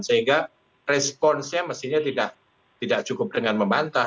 sehingga responsnya mestinya tidak cukup dengan membantah